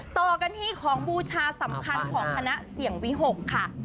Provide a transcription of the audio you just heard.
ต่อกันที่ของบูชาสำคัญของคณะเสี่ยงวิหกค่ะ